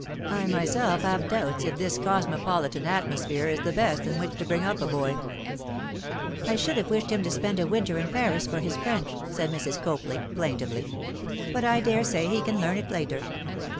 I myself have doubts if this cosmopolitan atmosphere it the best in which to bring up a boy.' 'I should have wished him to spend a winter in Paris for his French,' said Mrs. Copley, plaintively; 'but I dare say he can learn it later.